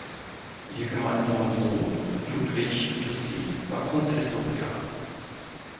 Ihr gemeinsamer Sohn Ludwig Justi war Kunsthistoriker.